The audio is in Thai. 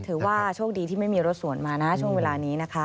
ถือว่าโชคดีที่ไม่มีรถสวนมานะช่วงเวลานี้นะคะ